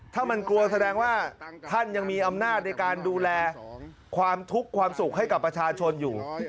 ถ้ามันกลัวแสดงว่าท่านยังมีอำนาจในการดูแลความทุกข์ความสุขให้กับประชาชนอยู่